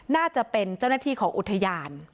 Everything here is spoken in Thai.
น่าจะเป็นเจ้าหน้าที่ของอุทยาน